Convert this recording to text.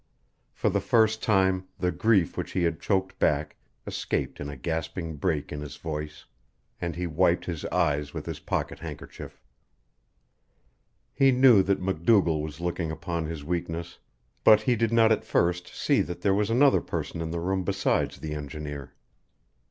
For the first time the grief which he had choked back escaped in a gasping break in his voice, and he wiped his eyes with his pocket handkerchief. He knew that MacDougall was looking upon his weakness, but he did not at first see that there was another person in the room besides the engineer.